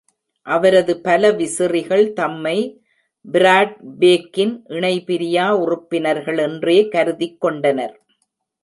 அவரது பல விசிறிகள் தம்மை ஃபிராட் பேக்கின் இணைபிரியா உறுப்பினர்கள் என்றே கருதிக் கொண்டனர்.